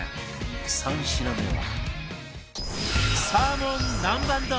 ３品目は